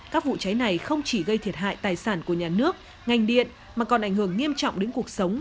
các vụ cháy này không chỉ gây thiệt hại tài sản của nhà nước ngành điện mà còn ảnh hưởng nghiêm trọng đến cuộc sống